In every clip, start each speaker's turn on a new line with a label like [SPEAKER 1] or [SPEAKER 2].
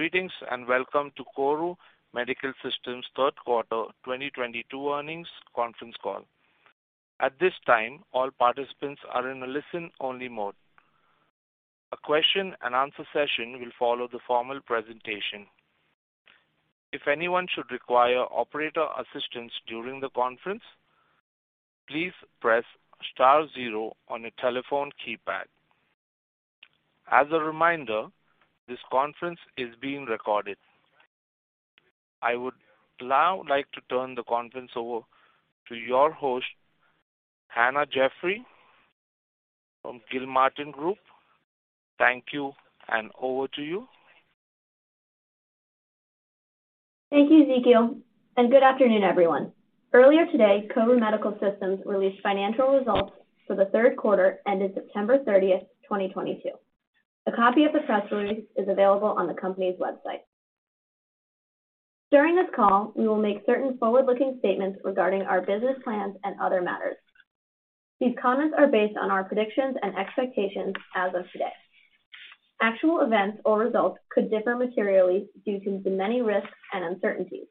[SPEAKER 1] Greetings, and Welcome to KORU Medical Systems Q3 2022 Earnings Conference Call. At this time, all participants are in a listen-only mode. A question-and-answer session will follow the formal presentation. If anyone should require operator assistance during the conference, please press star zero on your telephone keypad. As a reminder, this conference is being recorded. I would now like to turn the conference over to your host, Hannah Jeffrey from Gilmartin Group. Thank you, and over to you.
[SPEAKER 2] Thank you, Ezekiel, and good afternoon, everyone. Earlier today, KORU Medical Systems released financial results for the Q3 ending 30 September 2022. A copy of the press release is available on the company's website. During this call, we will make certain forward-looking statements regarding our business plans and other matters. These comments are based on our predictions and expectations as of today. Actual events or results could differ materially due to the many risks and uncertainties,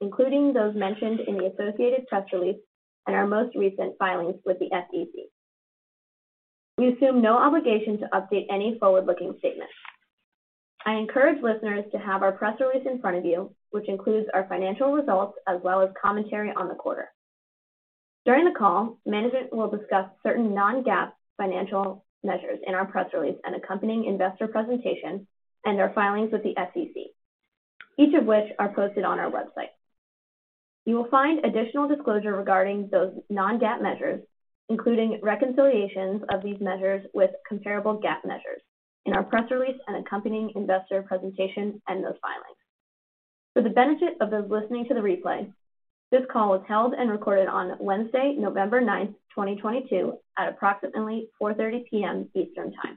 [SPEAKER 2] including those mentioned in the associated press release and our most recent filings with the SEC. We assume no obligation to update any forward-looking statements. I encourage listeners to have our press release in front of you, which includes our financial results as well as commentary on the quarter. During the call, management will discuss certain non-GAAP financial measures in our press release and accompanying investor presentation and our filings with the SEC, each of which are posted on our website. You will find additional disclosure regarding those non-GAAP measures, including reconciliations of these measures with comparable GAAP measures in our press release and accompanying investor presentation and those filings. For the benefit of those listening to the replay, this call was held and recorded on Wednesday, 9 November 2022 at approximately 4:30 P.M. Eastern Time.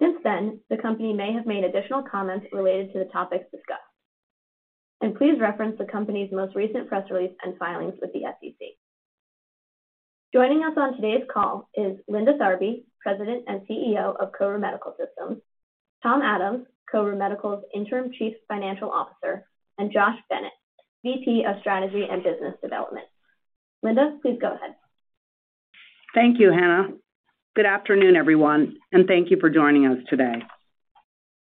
[SPEAKER 2] Since then, the company may have made additional comments related to the topics discussed. Please reference the company's most recent press release and filings with the SEC. Joining us on today's call is Linda Tharby, President and CEO of KORU Medical Systems, Tom Adams, KORU Medical's Interim Chief Financial Officer, and Josh Bennett, VP of Strategy and Business Development. Linda, please go ahead.
[SPEAKER 3] Thank you, Hannah. Good afternoon, everyone, and thank you for joining us today.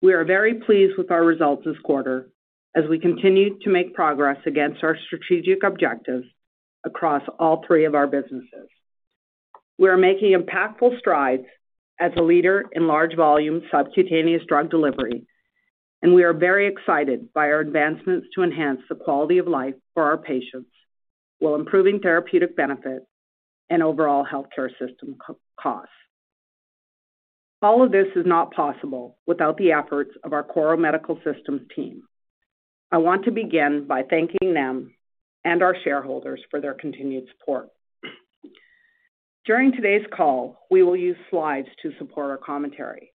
[SPEAKER 3] We are very pleased with our results this quarter as we continue to make progress against our strategic objectives across all three of our businesses. We are making impactful strides as a leader in large volume subcutaneous drug delivery, and we are very excited by our advancements to enhance the quality of life for our patients while improving therapeutic benefit and overall healthcare system costs. All of this is not possible without the efforts of our KORU Medical Systems team. I want to begin by thanking them and our shareholders for their continued support. During today's call, we will use slides to support our commentary.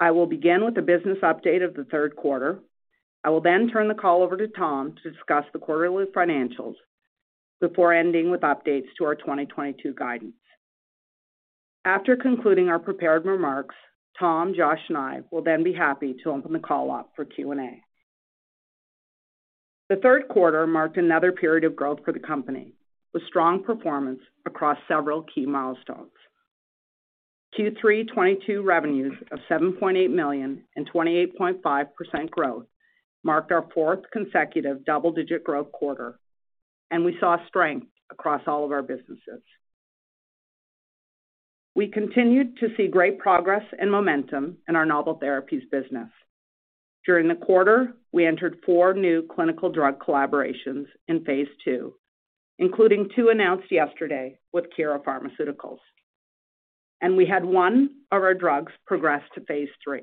[SPEAKER 3] I will begin with the business update of the Q3. I will then turn the call over to Tom to discuss the quarterly financials before ending with updates to our 2022 guidance. After concluding our prepared remarks, Tom, Josh, and I will then be happy to open the call up for Q&A. The Q3 marked another period of growth for the company, with strong performance across several key milestones. Q3 2022 revenues of $7.8 million and 28.5% growth marked our fourth consecutive double-digit growth quarter, and we saw strength across all of our businesses. We continued to see great progress and momentum in our novel therapies business. During the quarter, we entered four new clinical drug collaborations in Phase 2, including two announced yesterday with Kira Pharmaceuticals. We had one of our drugs progress to Phase 3.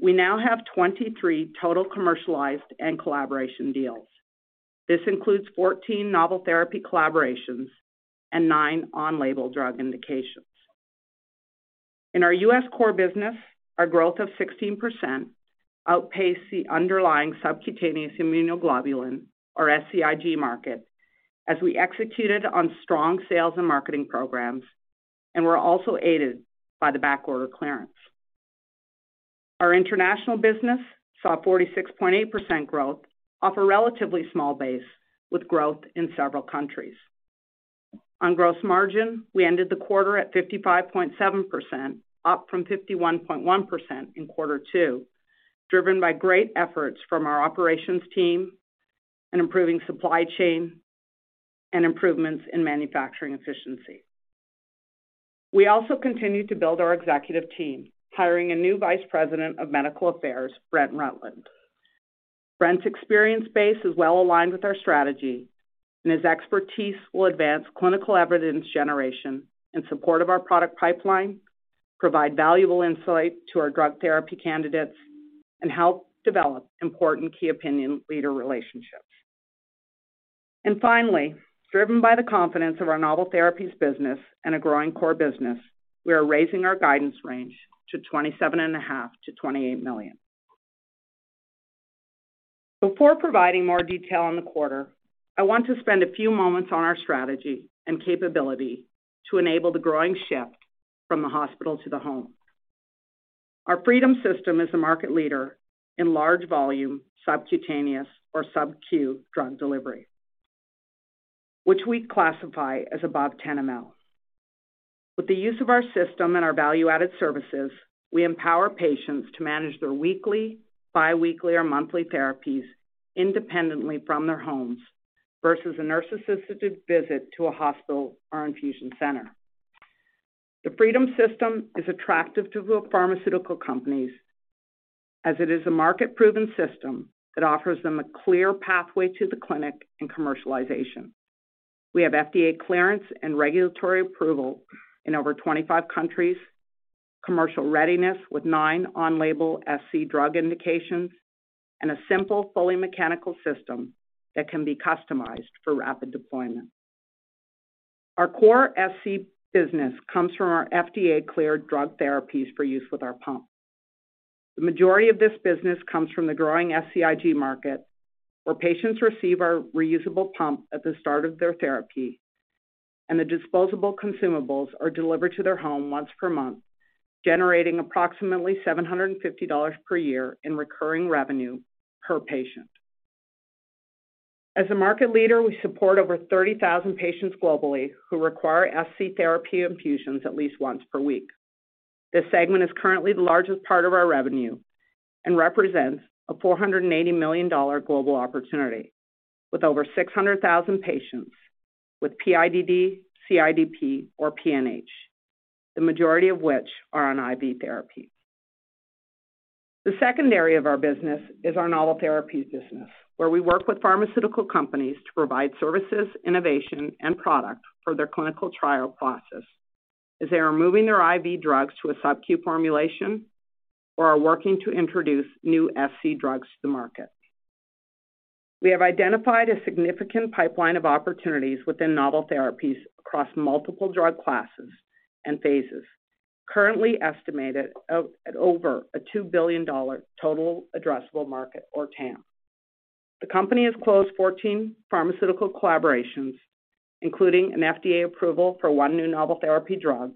[SPEAKER 3] We now have 23 total commercialized and collaboration deals. This includes 14 novel therapy collaborations and nine on-label drug indications. In our U.S. core business, our growth of 16% outpaced the underlying subcutaneous immunoglobulin, or SCIg market, as we executed on strong sales and marketing programs and were also aided by the backorder clearance. Our international business saw 46.8% growth off a relatively small base, with growth in several countries. On gross margin, we ended the quarter at 55.7%, up from 51.1% in Q2, driven by great efforts from our operations team and improving supply chain and improvements in manufacturing efficiency. We also continued to build our executive team, hiring a new Vice President of Medical Affairs, Brent Rutland. Brent's experience base is well aligned with our strategy, and his expertise will advance clinical evidence generation in support of our product pipeline, provide valuable insight to our drug therapy candidates, and help develop important key opinion leader relationships. Finally, driven by the confidence of our novel therapies business and a growing core business, we are raising our guidance range to $27.5 million–$28 million. Before providing more detail on the quarter, I want to spend a few moments on our strategy and capability to enable the growing shift from the hospital to the home. Our Freedom system is a market leader in large volume subcutaneous or sub-Q drug delivery, which we classify as above 10 ml. With the use of our system and our value-added services, we empower patients to manage their weekly, bi-weekly, or monthly therapies independently from their homes versus a nurse-assisted visit to a hospital or infusion center. The Freedom system is attractive to the pharmaceutical companies as it is a market-proven system that offers them a clear pathway to the clinic and commercialization. We have FDA clearance and regulatory approval in over 25 countries, commercial readiness with nine on-label SC drug indications, and a simple, fully mechanical system that can be customized for rapid deployment. Our core SC business comes from our FDA-cleared drug therapies for use with our pump. The majority of this business comes from the growing SCIg market, where patients receive our reusable pump at the start of their therapy and the disposable consumables are delivered to their home once per month, generating approximately $750 per year in recurring revenue per patient. As a market leader, we support over 30,000 patients globally who require SC therapy infusions at least once per week. This segment is currently the largest part of our revenue and represents a $480 million global opportunity with over 600,000 patients with PIDD, CIDP, or PNH, the majority of which are on IV therapy. The secondary of our business is our novel therapies business, where we work with pharmaceutical companies to provide services, innovation and product for their clinical trial process as they are moving their IV drugs to a sub-Q formulation or are working to introduce new SC drugs to the market. We have identified a significant pipeline of opportunities within novel therapies across multiple drug classes and phases, currently estimated at over a $2 billion total addressable market or TAM. The company has closed 14 pharmaceutical collaborations, including an FDA approval for one new novel therapy drug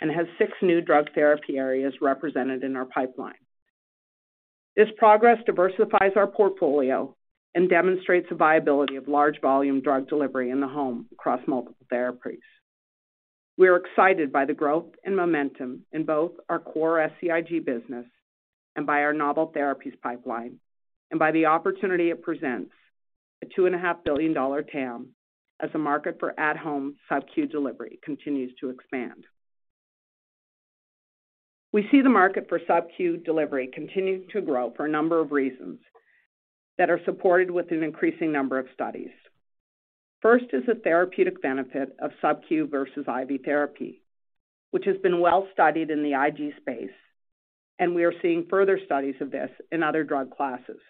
[SPEAKER 3] and has six new drug therapy areas represented in our pipeline. This progress diversifies our portfolio and demonstrates the viability of large volume drug delivery in the home across multiple therapies. We are excited by the growth and momentum in both our core SCIg business and by our novel therapies pipeline and by the opportunity it presents, a $2.5 billion TAM as the market for at-home sub-Q delivery continues to expand. We see the market for sub-Q delivery continuing to grow for a number of reasons that are supported with an increasing number of studies. First is the therapeutic benefit of sub-Q versus IV therapy, which has been well-studied in the IG space, and we are seeing further studies of this in other drug classes.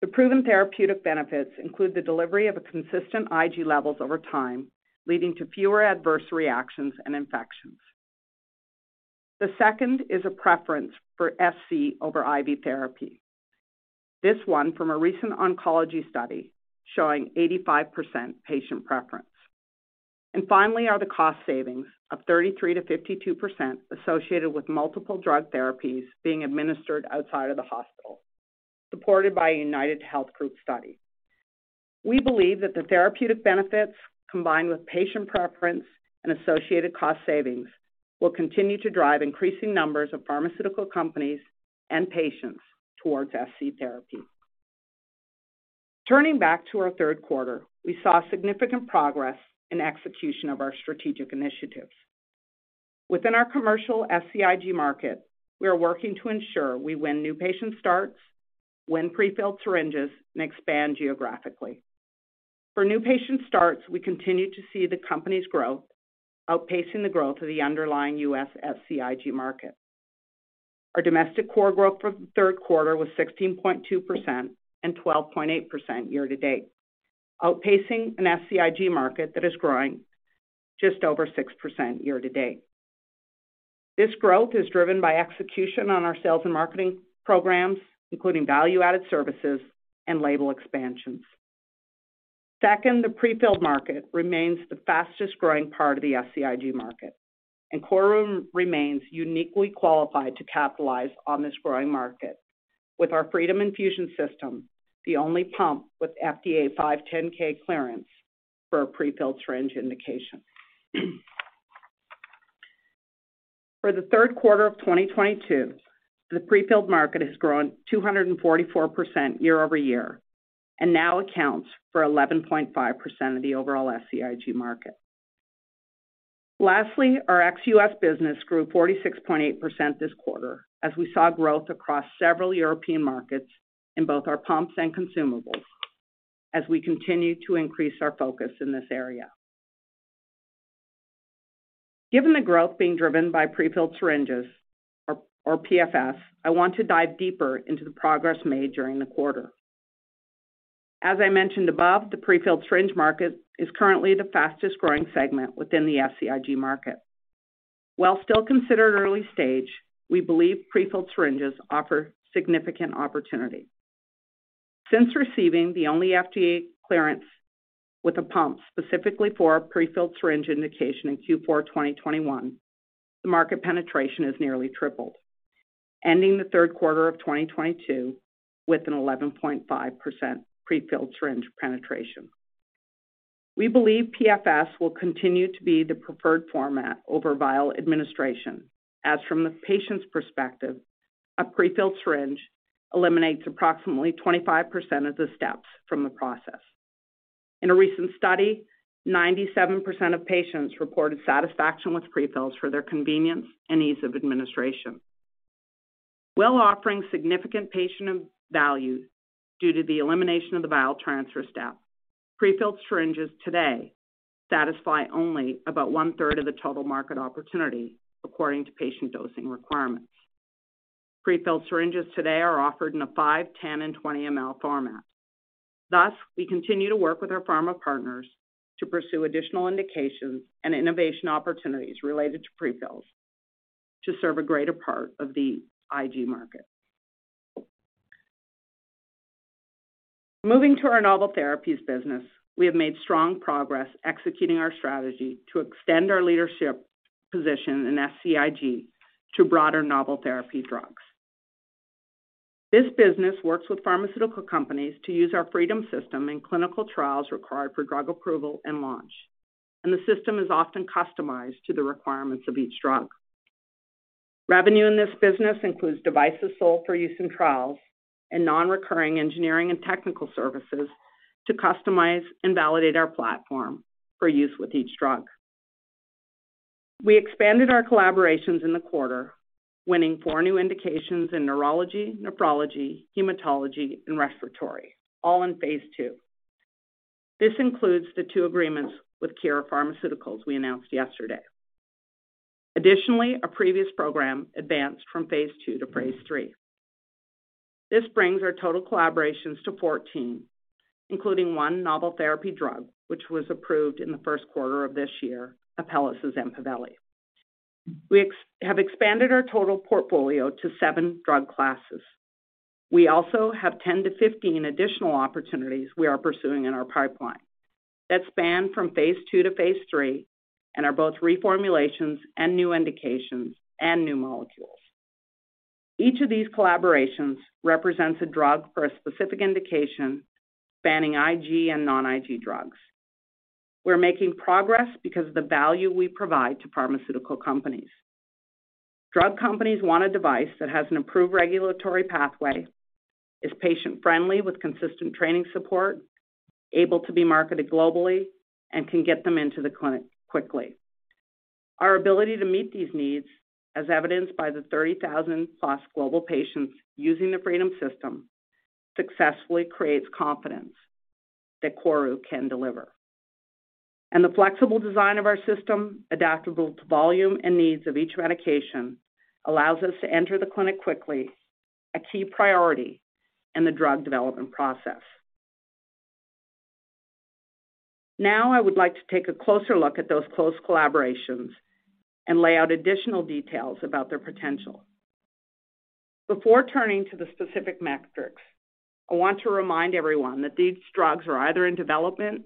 [SPEAKER 3] The proven therapeutic benefits include the delivery of a consistent IG levels over time, leading to fewer adverse reactions and infections. The second is a preference for sub-Q over IV therapy. This one from a recent oncology study showing 85% patient preference. Finally are the cost savings of 33%-52% associated with multiple drug therapies being administered outside of the hospital, supported by a UnitedHealth Group study. We believe that the therapeutic benefits combined with patient preference and associated cost savings will continue to drive increasing numbers of pharmaceutical companies and patients towards SC therapy. Turning back to our Q3, we saw significant progress in execution of our strategic initiatives. Within our commercial SCIg market, we are working to ensure we win new patient starts, win pre-filled syringes, and expand geographically. For new patient starts, we continue to see the company's growth outpacing the growth of the underlying U.S. SCIg market. Our domestic core growth for the Q3 was 16.2% and 12.8% year-to-date, outpacing an SCIg market that is growing just over 6% year-to-date. This growth is driven by execution on our sales and marketing programs, including value-added services and label expansions. Second, the pre-filled market remains the fastest-growing part of the SCIg market, and KORU remains uniquely qualified to capitalize on this growing market. With our Freedom Infusion System, the only pump with FDA 510(k) clearance for a pre-filled syringe indication. For the Q3 of 2022, the pre-filled market has grown 244% year-over-year and now accounts for 11.5% of the overall SCIg market. Lastly, our ex-U.S. business grew 46.8% this quarter as we saw growth across several European markets in both our pumps and consumables as we continue to increase our focus in this area. Given the growth being driven by pre-filled syringes or PFS, I want to dive deeper into the progress made during the quarter. As I mentioned above, the prefilled syringe market is currently the fastest growing segment within the SCIg market. While still considered early stage, we believe prefilled syringes offer significant opportunity. Since receiving the only FDA clearance with a pump specifically for prefilled syringe indication in Q4 2021, the market penetration has nearly tripled, ending the Q3 of 2022 with an 11.5% prefilled syringe penetration. We believe PFS will continue to be the preferred format over vial administration, as from the patient's perspective, a prefilled syringe eliminates approximately 25% of the steps from the process. In a recent study, 97% of patients reported satisfaction with prefills for their convenience and ease of administration. While offering significant patient value due to the elimination of the vial transfer step, prefilled syringes today satisfy only about 1/3 of the total market opportunity according to patient dosing requirements. Prefilled syringes today are offered in a five, 10, and 20 ml format. Thus, we continue to work with our pharma partners to pursue additional indications and innovation opportunities related to prefills to serve a greater part of the IG market. Moving to our novel therapies business, we have made strong progress executing our strategy to extend our leadership position in SCIg to broader novel therapy drugs. This business works with pharmaceutical companies to use our Freedom system in clinical trials required for drug approval and launch, and the system is often customized to the requirements of each drug. Revenue in this business includes devices sold for use in trials and non-recurring engineering and technical services to customize and validate our platform for use with each drug. We expanded our collaborations in the quarter, winning four new indications in neurology, nephrology, hematology, and respiratory, all in Phase 2. This includes the two agreements with Kira Pharmaceuticals we announced yesterday. Additionally, a previous program advanced from Phase 2 to Phase 3. This brings our total collaborations to 14, including one novel therapy drug which was approved in the Q1 of this year, Apellis' EMPAVELI. We have expanded our total portfolio to seven drug classes. We also have 10 to 15 additional opportunities we are pursuing in our pipeline that span from Phase 2 to Phase 3 and are both reformulations and new indications and new molecules. Each of these collaborations represents a drug for a specific indication spanning IG and non-IG drugs. We're making progress because of the value we provide to pharmaceutical companies. Drug companies want a device that has an approved regulatory pathway, is patient-friendly with consistent training support, able to be marketed globally, and can get them into the clinic quickly. Our ability to meet these needs, as evidenced by the 30,000+ global patients using the Freedom system, successfully creates confidence that KORU can deliver. The flexible design of our system, adaptable to volume and needs of each medication, allows us to enter the clinic quickly, a key priority in the drug development process. Now I would like to take a closer look at those close collaborations and lay out additional details about their potential. Before turning to the specific metrics, I want to remind everyone that these drugs are either in development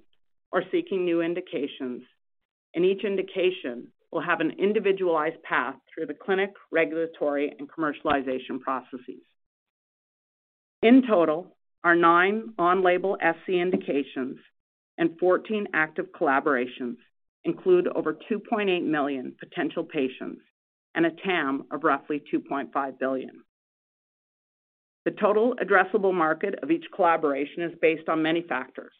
[SPEAKER 3] or seeking new indications, and each indication will have an individualized path through the clinic, regulatory, and commercialization processes. In total, our nine on-label SC indications and 14 active collaborations include over 2.8 million potential patients and a TAM of roughly $2.5 billion. The total addressable market of each collaboration is based on many factors.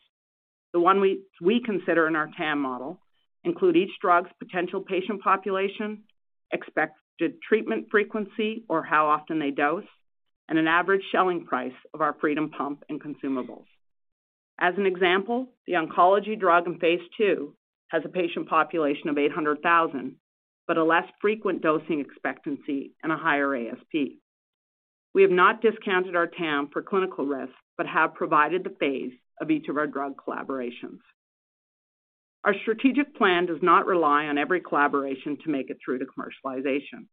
[SPEAKER 3] The one we consider in our TAM model include each drug's potential patient population, expected treatment frequency, or how often they dose, and an average selling price of our Freedom pump and consumables. As an example, the oncology drug in Phase 2 has a patient population of 800,000, but a less frequent dosing expectancy and a higher ASP. We have not discounted our TAM for clinical risk, but have provided the phase of each of our drug collaborations. Our strategic plan does not rely on every collaboration to make it through to commercialization.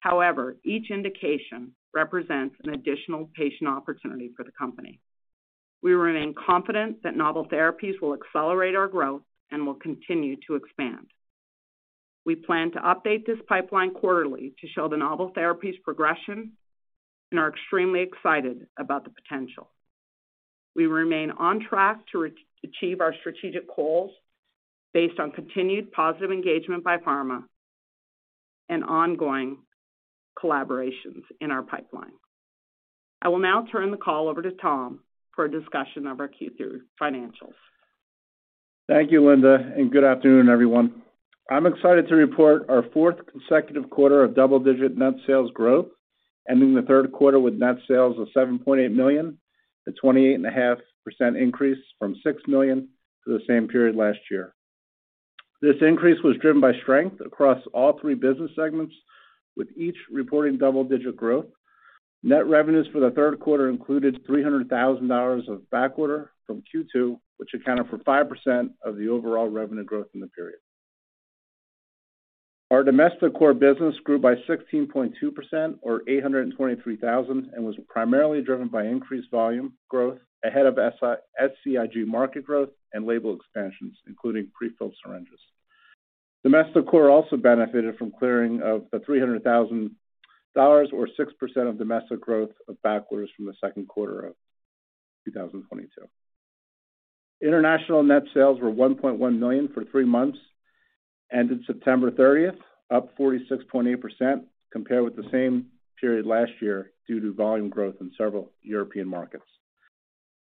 [SPEAKER 3] However, each indication represents an additional patient opportunity for the company. We remain confident that novel therapies will accelerate our growth and will continue to expand. We plan to update this pipeline quarterly to show the novel therapies progression and are extremely excited about the potential. We remain on track to re-achieve our strategic goals based on continued positive engagement by pharma and ongoing collaborations in our pipeline. I will now turn the call over to Tom for a discussion of our Q3 financials.
[SPEAKER 4] Thank you, Linda, and good afternoon, everyone. I'm excited to report our fourth consecutive quarter of double-digit net sales growth, ending the Q3 with net sales of $7.8 million, a 28.5% increase from $6 million for the same period last year. This increase was driven by strength across all three business segments, with each reporting double-digit growth. Net revenues for the Q3 included $300,000 of backorder from Q2, which accounted for 5% of the overall revenue growth in the period. Our domestic core business grew by 16.2% or $823,000, and was primarily driven by increased volume growth ahead of SCIg market growth and label expansions, including pre-filled syringes. Domestic core also benefited from clearing of the $300,000 or 6% of domestic growth of backlog from the Q2 of 2022. International net sales were $1.1 million for the three months ended 30 September 2022, up 46.8% compared with the same period last year due to volume growth in several European markets.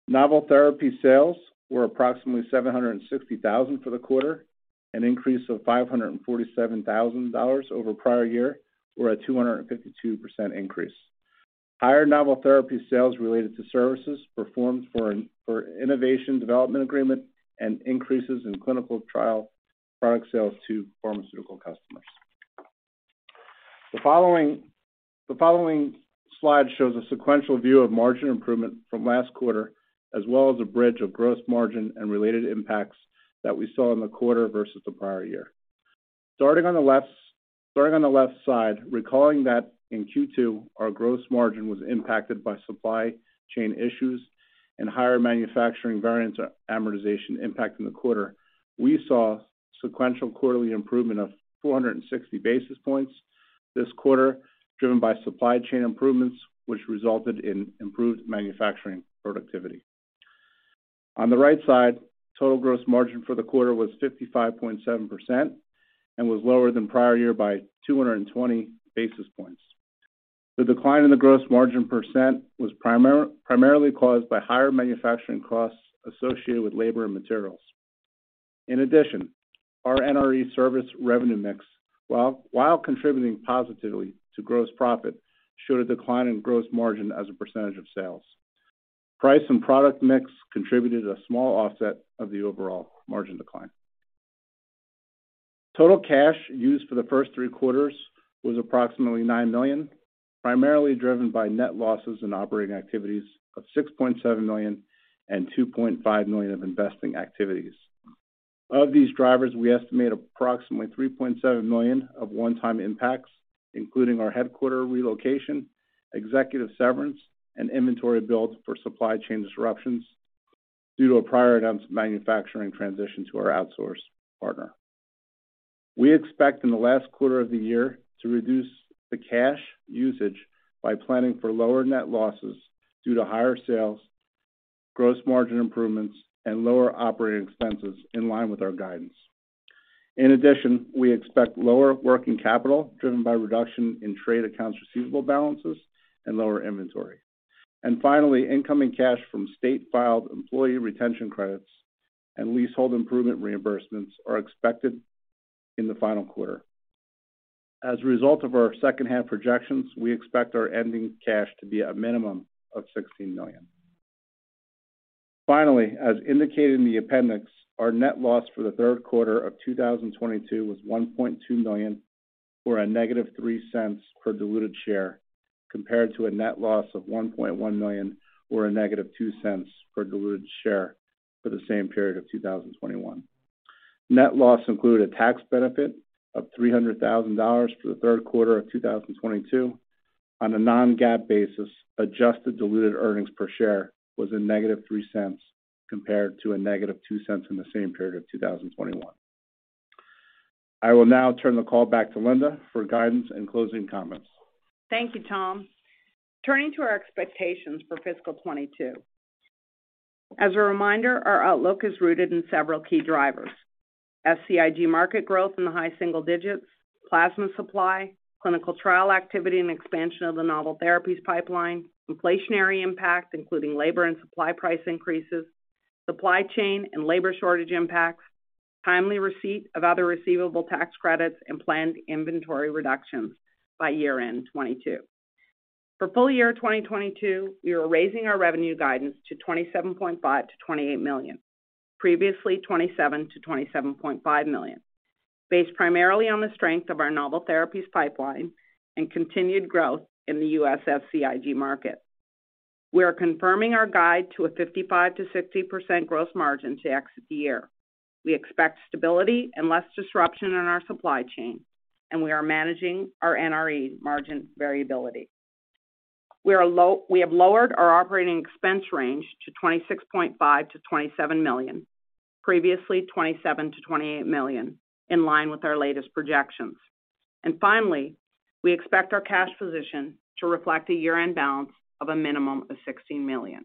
[SPEAKER 4] Novel therapy sales were approximately $760,000 for the quarter, an increase of $547,000 over prior year, or a 252% increase. Higher novel therapy sales related to services performed for an innovation development agreement and increases in clinical trial product sales to pharmaceutical customers. The following slide shows a sequential view of margin improvement from last quarter, as well as a bridge of gross margin and related impacts that we saw in the quarter versus the prior year. Starting on the left side, recalling that in Q2, our gross margin was impacted by supply chain issues and higher manufacturing variance amortization impact in the quarter. We saw sequential quarterly improvement of 460 basis points this quarter, driven by supply chain improvements, which resulted in improved manufacturing productivity. On the right side, total gross margin for the quarter was 55.7% and was lower than prior year by 220 basis points. The decline in the gross margin percent was primarily caused by higher manufacturing costs associated with labor and materials. In addition, our NRE service revenue mix, while contributing positively to gross profit, showed a decline in gross margin as a percentage of sales. Price and product mix contributed a small offset of the overall margin decline. Total cash used for the first three quarters was approximately $9 million, primarily driven by net losses in operating activities of $6.7 million and $2.5 million of investing activities. Of these drivers, we estimate approximately $3.7 million of one-time impacts, including our headquarters relocation, executive severance, and inventory builds for supply chain disruptions due to a prior item's manufacturing transition to our outsource partner. We expect in the last quarter of the year to reduce the cash usage by planning for lower net losses due to higher sales, gross margin improvements, and lower operating expenses in line with our guidance. In addition, we expect lower working capital driven by reduction in trade accounts receivable balances and lower inventory. Finally, incoming cash from state-filed employee retention credits and leasehold improvement reimbursements are expected in the final quarter. As a result of our second-half projections, we expect our ending cash to be a minimum of $16 million. Finally, as indicated in the appendix, our net loss for the Q3 of 2022 was $1.2 million or -$0.03 cents per diluted share, compared to a net loss of $1.1 million or -$0.02 cents per diluted share for the same period of 2021. Net loss included a tax benefit of $300,000 for the Q3 of 2022.On a non-GAAP basis, adjusted diluted earnings per share was -$0.03 compared to -$0.02 in the same period of 2021. I will now turn the call back to Linda for guidance and closing comments.
[SPEAKER 3] Thank you, Tom. Turning to our expectations for fiscal 2022. As a reminder, our outlook is rooted in several key drivers. SCIg market growth in the high single digits, plasma supply, clinical trial activity and expansion of the novel therapies pipeline, inflationary impact, including labor and supply price increases, supply chain and labor shortage impacts, timely receipt of other receivable tax credits, and planned inventory reductions by year-end 2022. For full year 2022, we are raising our revenue guidance to $27.5 million–$28 million, previously $27 million-$27.5 million, based primarily on the strength of our novel therapies pipeline and continued growth in the U.S. SCIg market. We are confirming our guide to a 55%-60% gross margin to exit the year. We expect stability and less disruption in our supply chain, and we are managing our NRE margin variability. We have lowered our operating expense range to $26.5 million–$27 million, previously $27 million-$28 million, in line with our latest projections. Finally, we expect our cash position to reflect a year-end balance of a minimum of $16 million.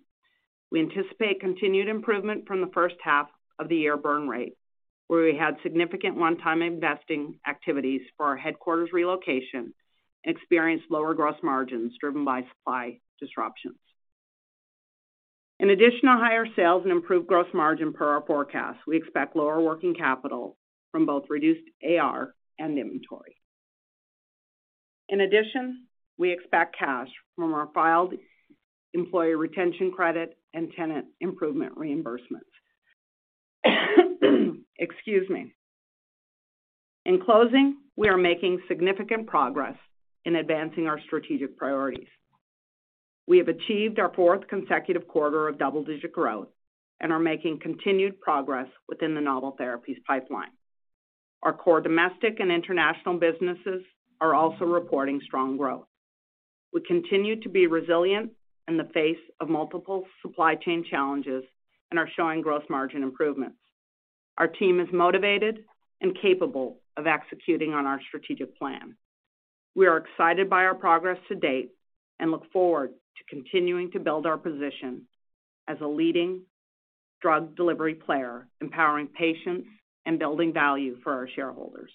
[SPEAKER 3] We anticipate continued improvement from the first half of the year burn rate, where we had significant one-time investing activities for our headquarters relocation and experienced lower gross margins driven by supply disruptions. In addition to higher sales and improved gross margin per our forecast, we expect lower working capital from both reduced AR and inventory. In addition, we expect cash from our filed employee retention credit and tenant improvement reimbursements. Excuse me. In closing, we are making significant progress in advancing our strategic priorities. We have achieved our fourth consecutive quarter of double-digit growth and are making continued progress within the novel therapies pipeline. Our core domestic and international businesses are also reporting strong growth. We continue to be resilient in the face of multiple supply chain challenges and are showing gross margin improvements. Our team is motivated and capable of executing on our strategic plan. We are excited by our progress to date and look forward to continuing to build our position as a leading drug delivery player, empowering patients and building value for our shareholders.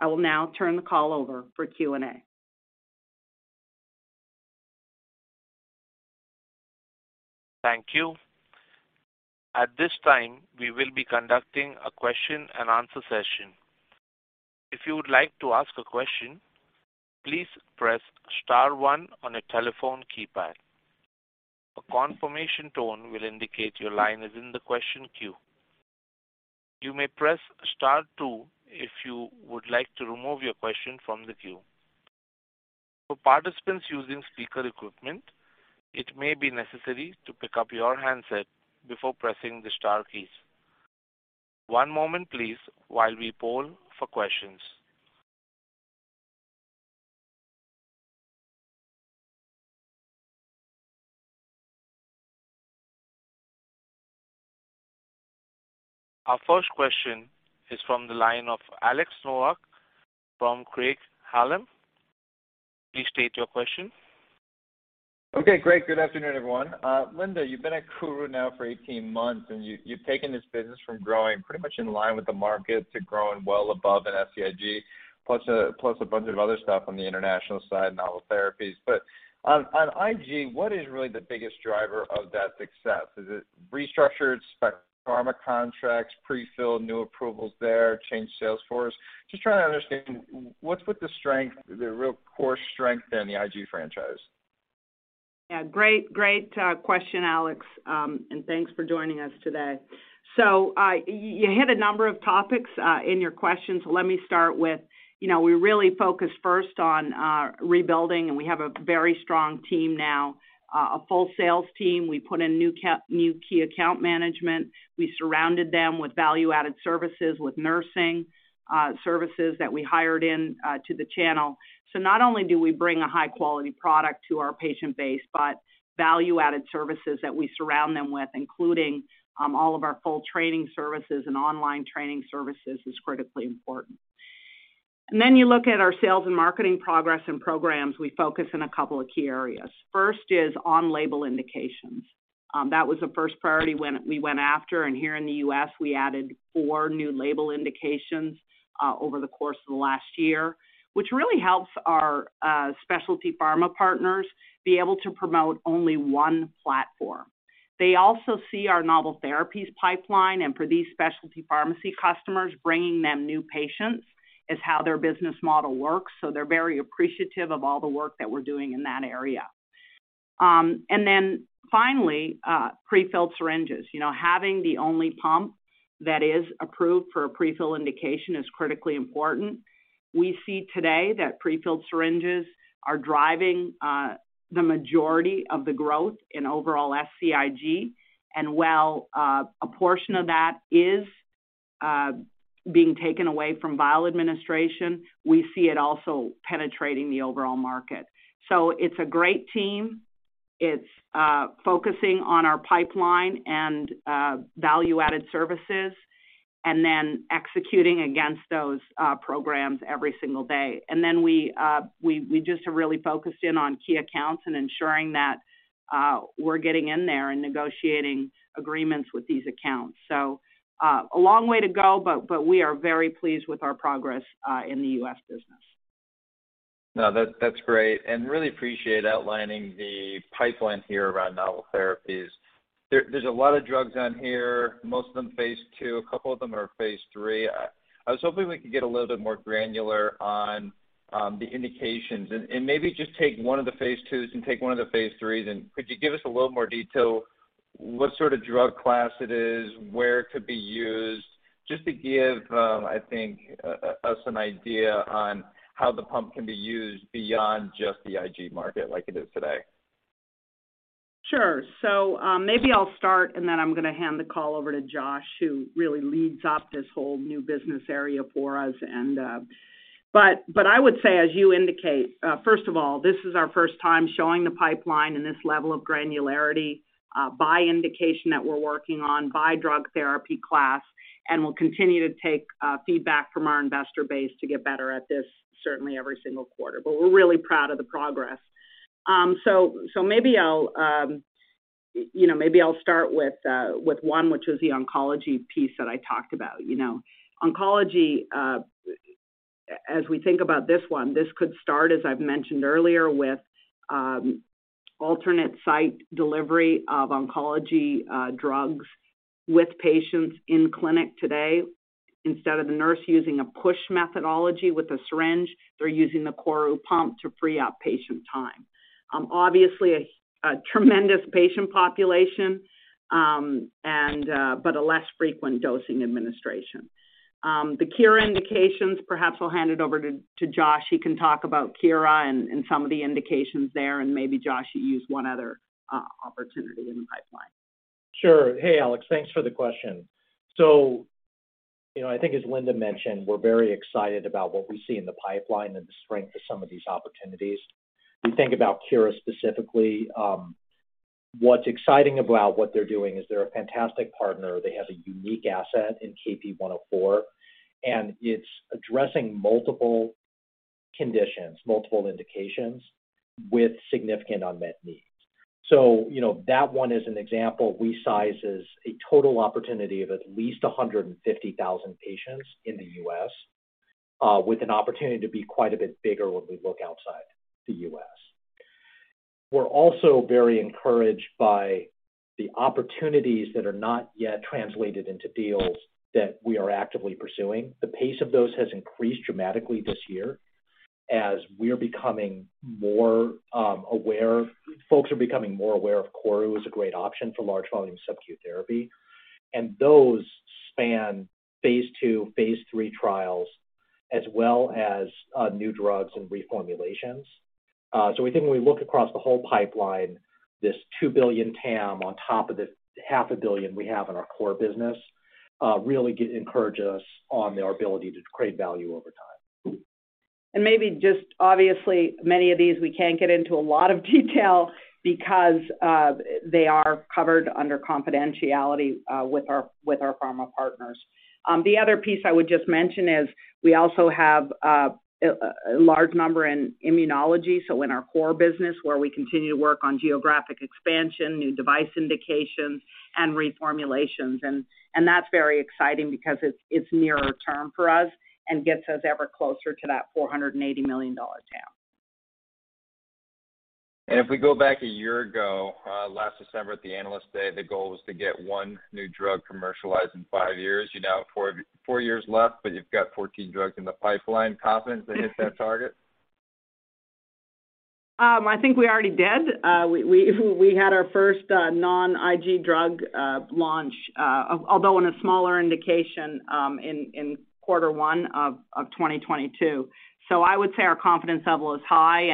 [SPEAKER 3] I will now turn the call over for Q&A.
[SPEAKER 1] Thank you. At this time, we will be conducting a question-and-answer session. If you would like to ask a question, please press star one on your telephone keypad. A confirmation tone will indicate your line is in the question queue. You may press star two if you would like to remove your question from the queue. For participants using speaker equipment, it may be necessary to pick up your handset before pressing the star keys. One moment, please, while we poll for questions. Our first question is from the line of Alex Nowak from Craig-Hallum. Please state your question.
[SPEAKER 5] Okay, great. Good afternoon, everyone. Linda, you've been at KORU now for 18 months, and you've taken this business from growing pretty much in line with the market to growing well above in SCIg, plus a bunch of other stuff on the international side, novel therapies. On IG, what is really the biggest driver of that success? Is it restructured specialty pharma contracts, prefilled new approvals there, changed sales force? Just trying to understand, what's with the strength, the real core strength in the IG franchise?
[SPEAKER 3] Yeah. Great question, Alex, and thanks for joining us today. You hit a number of topics in your question. Let me start with, you know, we really focus first on rebuilding, and we have a very strong team now, a full sales team. We put in new key account management. We surrounded them with value-added services, with nursing services that we hired in to the channel. Not only do we bring a high-quality product to our patient base, but value-added services that we surround them with, including all of our full training services and online training services, is critically important. Then you look at our sales and marketing progress and programs, we focus in a couple of key areas. First is on-label indications. That was the first priority when we went after, and here in the US, we added four new label indications over the course of the last year, which really helps our specialty pharma partners be able to promote only one platform. They also see our novel therapies pipeline, and for these specialty pharmacy customers, bringing them new patients is how their business model works. They're very appreciative of all the work that we're doing in that area. Finally, prefilled syringes. You know, having the only pump that is approved for a prefill indication is critically important. We see today that prefilled syringes are driving the majority of the growth in overall SCIg. While a portion of that is being taken away from vial administration, we see it also penetrating the overall market. It's a great team. It's focusing on our pipeline and value-added services and then executing against those programs every single day. We just have really focused in on key accounts and ensuring that we're getting in there and negotiating agreements with these accounts. A long way to go, but we are very pleased with our progress in the U.S. business.
[SPEAKER 5] No, that's great, and really appreciate outlining the pipeline here around novel therapies. There's a lot of drugs on here, most of them phase II, a couple of them are phase III. I was hoping we could get a little bit more granular on the indications. Maybe just take one of the phase IIs and take one of the phase IIIs, and could you give us a little more detail what sort of drug class it is, where it could be used, just to give I think us an idea on how the pump can be used beyond just the IG market like it is today.
[SPEAKER 3] Sure. Maybe I'll start, and then I'm gonna hand the call over to Josh, who really leads up this whole new business area for us. I would say, as you indicate, first of all, this is our first time showing the pipeline and this level of granularity by indication that we're working on, by drug therapy class, and we'll continue to take feedback from our investor base to get better at this certainly every single quarter. We're really proud of the progress. Maybe I'll start with one, you know, which is the oncology piece that I talked about, you know. Oncology, as we think about this one, this could start, as I've mentioned earlier, with alternate site delivery of oncology drugs with patients in clinic today. Instead of the nurse using a push methodology with a syringe, they're using the KORU pump to free outpatient time. Obviously a tremendous patient population, but a less frequent dosing administration. The Kira indications, perhaps I'll hand it over to Josh. He can talk about Kira and some of the indications there, and maybe Josh, you use one other opportunity in the pipeline.
[SPEAKER 6] Sure. Hey, Alex. Thanks for the question. You know, I think as Linda mentioned, we're very excited about what we see in the pipeline and the strength of some of these opportunities. We think about Kira specifically. What's exciting about what they're doing is they're a fantastic partner. They have a unique asset in KP-104, and it's addressing multiple conditions, multiple indications with significant unmet needs. You know, that one is an example. We size as a total opportunity of at least 150,000 patients in the U.S., with an opportunity to be quite a bit bigger when we look outside the U.S. We're also very encouraged by the opportunities that are not yet translated into deals that we are actively pursuing. The pace of those has increased dramatically this year as folks are becoming more aware of KORU as a great option for large volume sub-Q therapy. Those span Phase 2, Phase 3 trials as well as new drugs and reformulations. We think when we look across the whole pipeline, this $2 billion TAM on top of the $0.5 billion we have in our core business really encourages us on our ability to create value over time.
[SPEAKER 3] Maybe just obviously, many of these we can't get into a lot of detail because they are covered under confidentiality with our pharma partners. The other piece I would just mention is we also have a large number in immunology, so in our core business where we continue to work on geographic expansion, new device indications and reformulations. That's very exciting because it's nearer term for us and gets us ever closer to that $480 million TAM.
[SPEAKER 5] If we go back a year ago, last December at the Analyst Day, the goal was to get 1 new drug commercialized in five years. You now have four years left, but you've got 14 drugs in the pipeline. Confident to hit that target?
[SPEAKER 3] I think we already did. We had our first non IG drug launch, although in a smaller indication, in Q1 of 2022. I would say our confidence level is high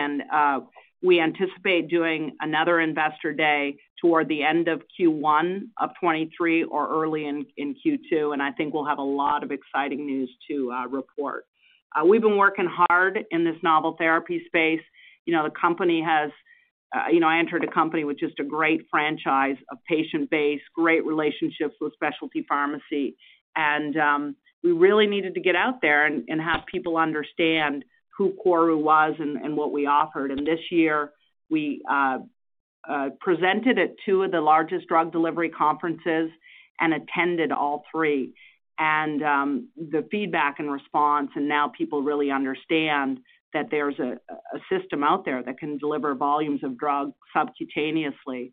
[SPEAKER 3] and we anticipate doing another investor day toward the end of Q1 of 2023 or early in Q2, and I think we'll have a lot of exciting news to report. We've been working hard in this novel therapy space. You know, the company has, you know, I entered a company with just a great franchise, a patient base, great relationships with specialty pharmacy. We really needed to get out there and have people understand who KORU was and what we offered. This year we presented at two of the largest drug delivery conferences and attended all three. The feedback and response, and now people really understand that there's a system out there that can deliver volumes of drug subcutaneously,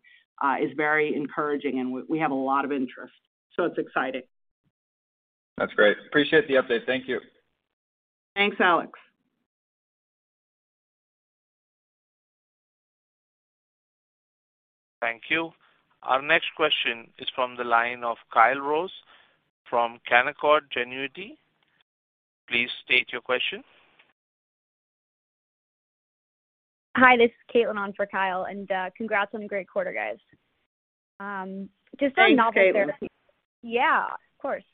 [SPEAKER 3] is very encouraging, and we have a lot of interest. It's exciting.
[SPEAKER 5] That's great. Appreciate the update. Thank you.
[SPEAKER 3] Thanks, Alex.
[SPEAKER 1] Thank you. Our next question is from the line of Kyle Rose from Canaccord Genuity. Please state your question.
[SPEAKER 7] Hi, this is Caitlin on for Kyle, and, congrats on a great quarter, guys. Just on novel therapies.
[SPEAKER 3] Thanks, Caitlin.
[SPEAKER 7] Yeah, of course.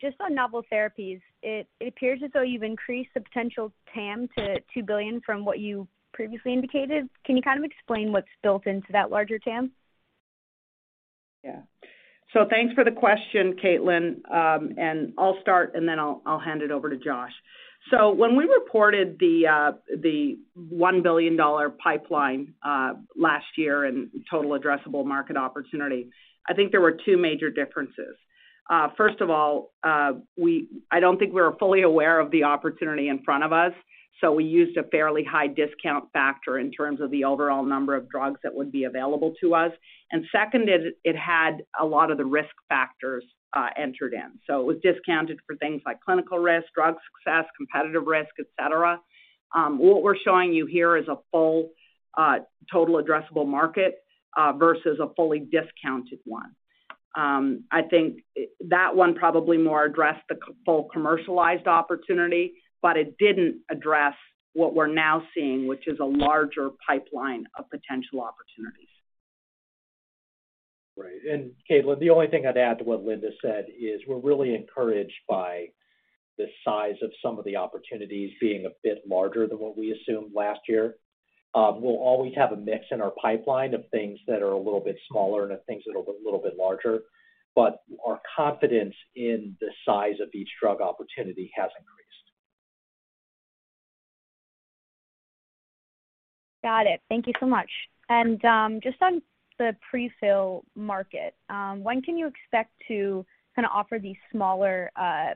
[SPEAKER 7] Just on novel therapies, it appears as though you've increased the potential TAM to $2 billion from what you previously indicated. Can you kind of explain what's built into that larger TAM?
[SPEAKER 3] Yeah. Thanks for the question, Caitlin. I'll start and then I'll hand it over to Josh. When we reported the $1 billion pipeline last year in total addressable market opportunity, I think there were two major differences. First of all, I don't think we were fully aware of the opportunity in front of us, so we used a fairly high discount factor in terms of the overall number of drugs that would be available to us. Second is it had a lot of the risk factors entered in. It was discounted for things like clinical risk, drug success, competitive risk, et cetera. What we're showing you here is a full total addressable market versus a fully discounted one. I think that one probably more addressed the full commercialized opportunity, but it didn't address what we're now seeing, which is a larger pipeline of potential opportunities.
[SPEAKER 6] Right. Caitlin, the only thing I'd add to what Linda said is we're really encouraged by the size of some of the opportunities being a bit larger than what we assumed last year. We'll always have a mix in our pipeline of things that are a little bit smaller and of things that are a little bit larger. Our confidence in the size of each drug opportunity has increased.
[SPEAKER 7] Got it. Thank you so much. Just on the pre-fill market, when can you expect to kinda offer these smaller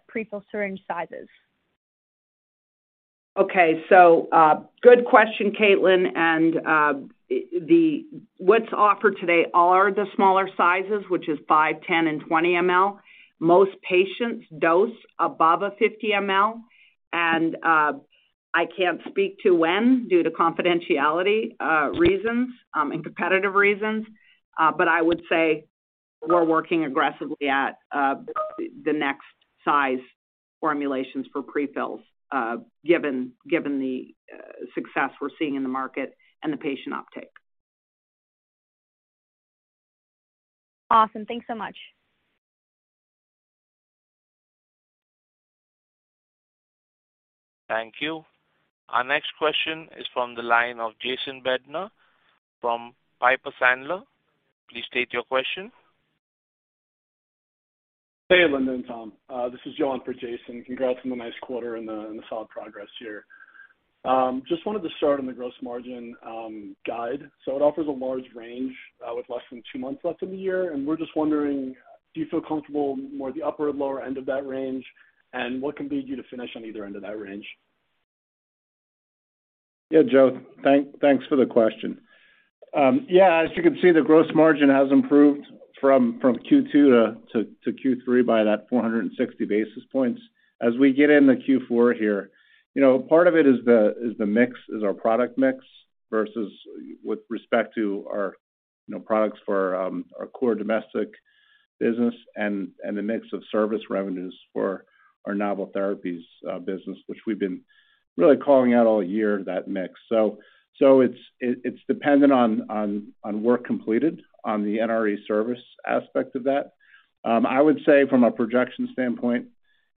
[SPEAKER 7] pre-fill syringe sizes?
[SPEAKER 3] Okay. Good question, Caitlin. What's offered today are the smaller sizes, which is five, 10, and 20 ml. Most patients dose above a 50 ml. I can't speak to when due to confidentiality reasons and competitive reasons. I would say we're working aggressively at the next size formulations for pre-fills, given the success we're seeing in the market and the patient uptake.
[SPEAKER 7] Awesome. Thanks so much.
[SPEAKER 1] Thank you. Our next question is from the line of Jason Bednar from Piper Sandler. Please state your question.
[SPEAKER 8] Hey, Linda and Tom. This is Joe in for Jason. Congrats on the nice quarter and the solid progress here. Just wanted to start on the gross margin guide. It offers a large range with less than two months left in the year, and we're just wondering, do you feel more comfortable with the upper or lower end of that range? What can lead you to finish on either end of that range?
[SPEAKER 4] Yeah, Joe. Thanks for the question. Yeah, as you can see, the gross margin has improved from Q2 to Q3 by 460 basis points. As we get into Q4 here, you know, part of it is the mix, our product mix versus with respect to our, you know, products for our core domestic business and the mix of service revenues for our novel therapies business, which we've been really calling out all year that mix. It's dependent on work completed on the NRE service aspect of that. I would say from a projection standpoint,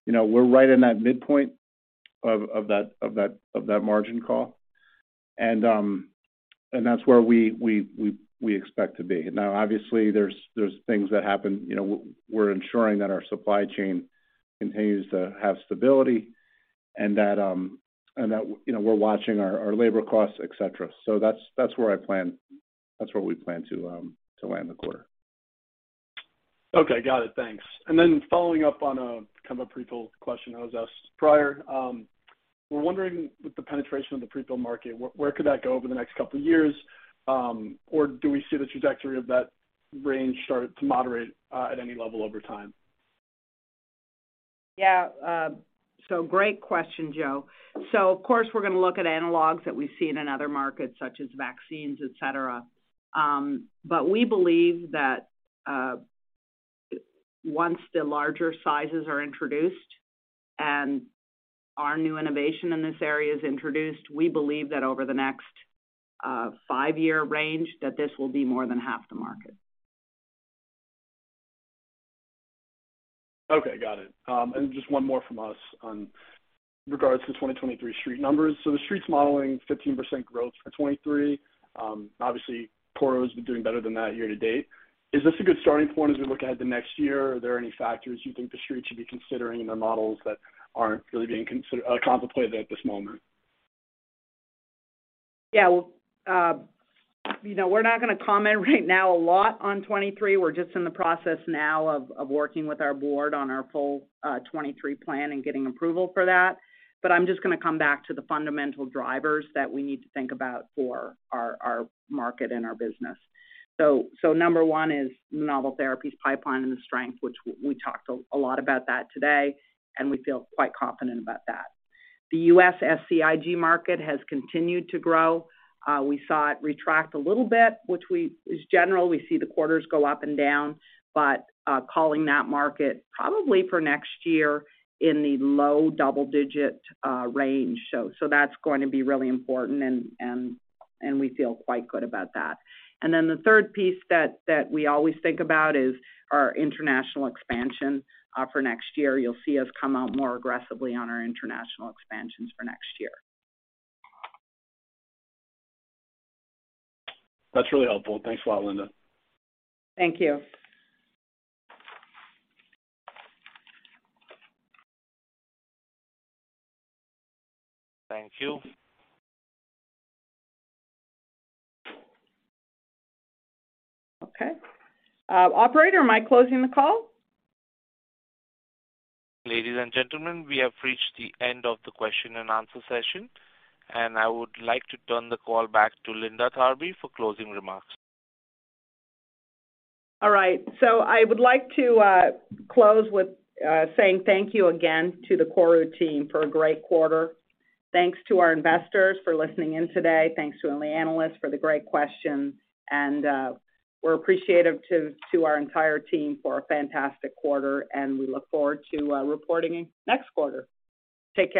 [SPEAKER 4] you know, we're right in that midpoint of that margin call. That's where we expect to be. Now, obviously, there's things that happen. You know, we're ensuring that our supply chain continues to have stability and that, you know, we're watching our labor costs, et cetera. That's where we plan to land the quarter.
[SPEAKER 8] Okay. Got it. Thanks. Following up on a kind of a pre-filled question that was asked prior, we're wondering with the penetration of the pre-fill market, where could that go over the next couple of years? Do we see the trajectory of that range start to moderate, at any level over time?
[SPEAKER 3] Great question, Joe. Of course, we're gonna look at analogs that we see in another market, such as vaccines, et cetera. But we believe that once the larger sizes are introduced and our new innovation in this area is introduced, we believe that over the next five-year range, that this will be more than half the market.
[SPEAKER 8] Okay, got it. Just one more from us regarding 2023 Street numbers. The Street's modeling 15% growth for 2023. Obviously, KORU has been doing better than that year to date. Is this a good starting point as we look ahead to next year? Are there any factors you think the Street should be considering in their models that aren't really being contemplated at this moment?
[SPEAKER 3] Yeah. You know, we're not gonna comment right now a lot on 2023. We're just in the process now of working with our board on our full 2023 plan and getting approval for that. I'm just gonna come back to the fundamental drivers that we need to think about for our market and our business. Number one is the novel therapies pipeline and the strength, which we talked a lot about that today, and we feel quite confident about that. The U.S. SCIg market has continued to grow. We saw it retract a little bit, which, in general, we see the quarters go up and down. Calling that market probably for next year in the low double-digit range. That's going to be really important and we feel quite good about that. The third piece that we always think about is our international expansion for next year. You'll see us come out more aggressively on our international expansions for next year.
[SPEAKER 8] That's really helpful. Thanks a lot, Linda.
[SPEAKER 3] Thank you.
[SPEAKER 1] Thank you.
[SPEAKER 3] Okay. Operator, am I closing the call?
[SPEAKER 1] Ladies and gentlemen, we have reached the end of the question and answer session, and I would like to turn the call back to Linda Tharby for closing remarks.
[SPEAKER 3] All right. I would like to close with saying thank you again to the KORU team for a great quarter. Thanks to our investors for listening in today. Thanks to all the analysts for the great questions. We're appreciative to our entire team for a fantastic quarter, and we look forward to reporting next quarter. Take care.